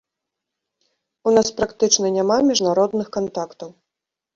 У нас практычна няма міжнародных кантактаў!